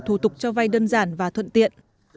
thủ tục cho vay đơn giản và thuận tiện